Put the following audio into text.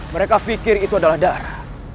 mereka pikir itu adalah darah